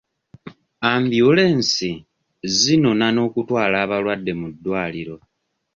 Ambyulensi zinona n'okutwala abalwadde mu ddwaliro.